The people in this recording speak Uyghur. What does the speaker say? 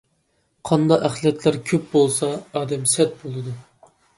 قاندا ئەخلەتلەر كۆپ بولسا ئادەم سەت بولىدۇ.